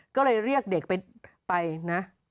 ก็เลยเรียกเด็กไปนะ